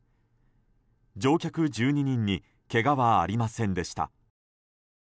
乗客１２人にけがはありませんでした。